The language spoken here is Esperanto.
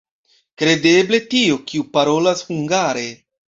Kredeble tiu, kiu parolas hungare.